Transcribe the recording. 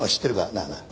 なあなあ。